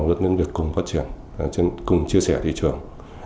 dẫn đến việc cùng phát triển cùng chia sẻ thị trường